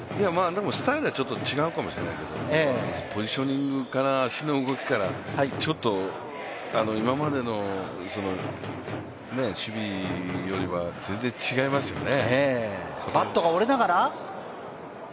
スタイルはちょっと違うかもしれないけどポジショニングから足の動きからちょっと今までの守備よりは全然違いますよね。